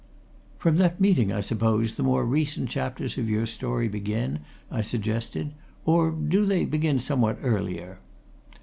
"From that meeting, I suppose, the more recent chapters of your story begin?" I suggested. "Or do they begin somewhat earlier?"